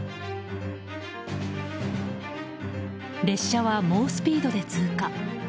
列車は猛スピードで通過。